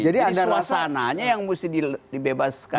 jadi suasananya yang mesti dibebaskan